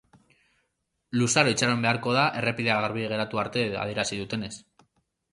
Luzaro itxaron beharko da errepidea garbi geratu arte, adierazi dutenez.